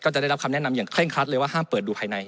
จะได้รับคำแนะนำอย่างเร่งครัดเลยว่าห้ามเปิดดูภายใน